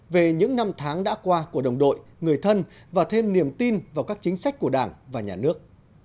về những năm tháng đã qua của đồng đội người thân và thêm niềm tin vào các chính sách của đảng và nhà nước